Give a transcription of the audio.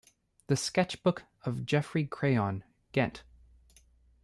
The Sketch Book of Geoffrey Crayon, Gent.